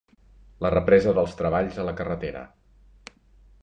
La represa dels treballs a la carretera.